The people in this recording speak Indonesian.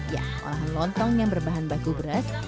ya olahan lontong yang berbahan baku beras